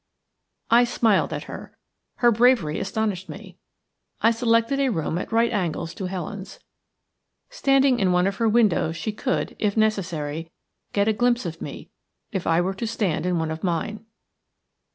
I smiled at her. Her bravery astonished me. I selected a room at right angles to Helen's. Standing in one of her windows she could, if necessary, get a glimpse of me if I were to stand in one of mine.